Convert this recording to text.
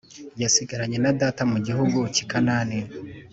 yasigaranye na data mu gihugu cy’i Kanani